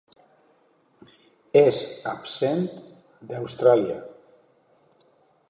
És absent d'Austràlia.